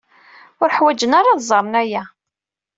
Ur ḥwajen ara ad ẓren aya.